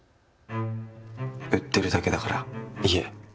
売ってるだけだから、家。